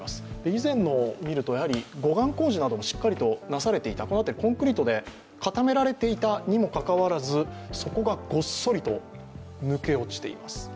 以前のものを見ると護岸工事などもしっかりなされていたこの辺りコンクリートで固められていたにもかかわらずそこがごっそりと抜け落ちています。